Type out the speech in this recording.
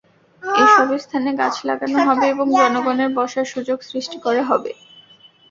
এসব স্থানে গাছ লাগানো হবে এবং জনগণের বসার সুযোগ সৃষ্টি করা হবে।